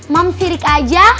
mam sirik aja